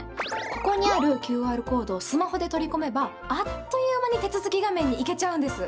ここにあるＱＲコードをスマホで取り込めばあっという間に手続き画面に行けちゃうんです。